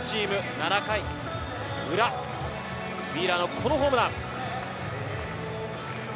７回裏、ウィーラーのこのホームラン。